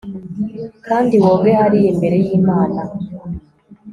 Kandi woge hariya imbere yImana